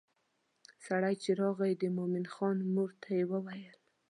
سړی چې راغی د مومن خان مور ته یې وویل.